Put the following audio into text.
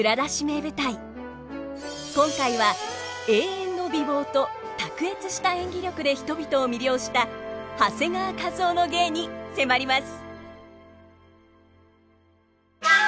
今回は永遠の美貌と卓越した演技力で人々を魅了した長谷川一夫の芸に迫ります。